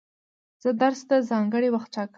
زه درس ته ځانګړی وخت ټاکم.